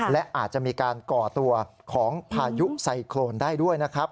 และอาจจะมีการก่อตัวของพายุไซโครนได้ด้วยนะครับ